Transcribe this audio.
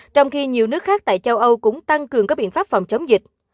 trong khi nhiều nước khác tại châu âu cũng tăng cường các biện pháp phòng chống dịch